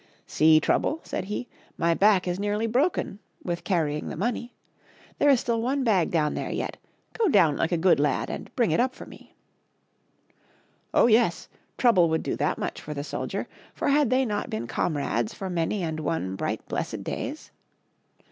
"See. Trouble," said he, "my back is nearly broken with carrying the X£kttfy[n<SiMt!i^ljtimwMl^\ifu forp. money. There is still one bag down there yet ; go down like a good lad and bring it up for me." Oh, yes ! Trouble would do that much for the soldier, for had they not been comrades for many and one bright, blessed days